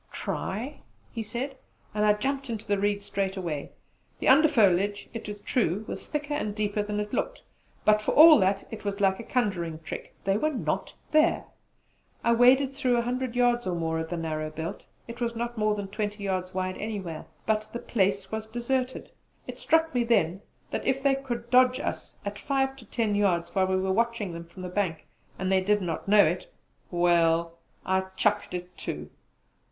"Try!" he said, and I jumped into the reeds straight away. The under foliage, it is true, was thicker and deeper that it had looked; but for all that it was like a conjuring trick they were not there! I waded through a hundred yards or more of the narrow belt it was not more than twenty yards wide anywhere but the place was deserted. It struck me then that if they could dodge us at five to ten yards while we were watching from the bank and they did not know it Well, I 'chucked it' too.